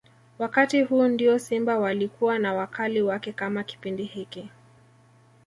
Wakati huu ndio Simba walikuwa na wakali wake kama Kipindi hiki